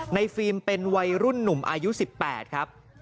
ฟิล์มเป็นวัยรุ่นหนุ่มอายุ๑๘ครับ